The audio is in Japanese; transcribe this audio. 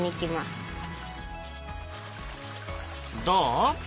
どう？